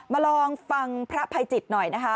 ลองฟังพระภัยจิตหน่อยนะคะ